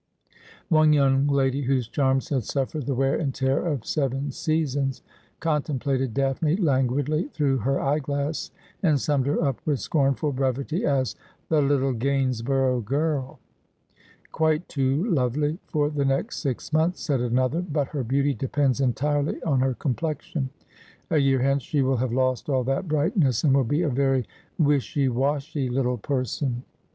One young lady, whose charms had suffered the wear and tear of seven seasons, contemplated Daphne languidly through her eye glass, and summed her up with scornful brevity as ' the little Gainsborough girl !'' Quite too lovely, for the next six months,' said another, ' but her beauty depends entirely on her complexion. A year hence she will have lost all that brightness, and will be a very wishy wa/^hy little person.'